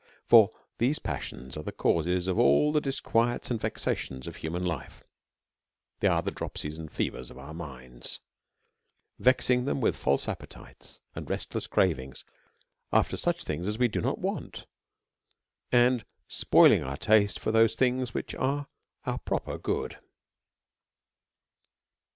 For these passions are the causes of all the disquiets and vexations of human life ; they are the dropsies DEVOUT AND HOLY LIFE. 117 and fevers of our minds, vexing them with false appe tites, and restless cravings after such things as we do not want, and spoiling our taste for those things which are our proper good.